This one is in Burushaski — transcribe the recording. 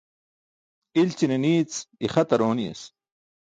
İlći̇ne ni̇i̇c, ixatar ooni̇yas.